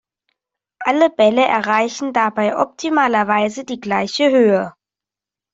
Alle Bälle erreichen dabei optimalerweise die gleiche Höhe.